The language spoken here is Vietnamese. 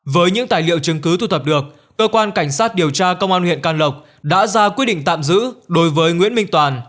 với những tài liệu chứng cứ thu thập được cơ quan cảnh sát điều tra công an huyện can lộc đã ra quyết định tạm giữ đối với nguyễn minh toàn